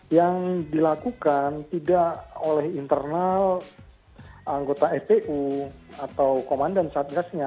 yang dilakukan tidak oleh internal anggota fpu atau komandan satgasnya